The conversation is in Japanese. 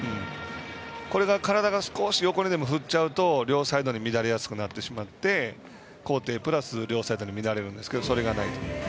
これが体が少し横に振れると両サイドに乱れやすくなってしまって高低プラス両サイドに乱れるんですけど、それがない。